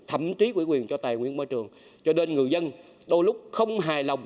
thậm chí quỹ quyền cho tài nguyên môi trường cho nên người dân đôi lúc không hài lòng